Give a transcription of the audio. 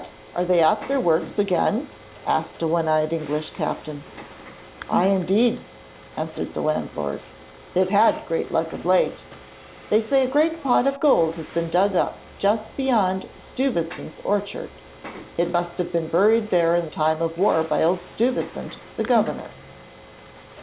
'What! are they at their works again?' asked a one eyed English captain. 'Ay, indeed,' answered the landlord; 'they have had great luck of late. They say a great pot of gold has been dug up just behind Stuyvesant's orchard. It must have been buried there in time of war by old Stuyvesant, the governor.'